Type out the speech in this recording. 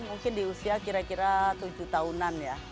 mungkin di usia kira kira tujuh tahunan ya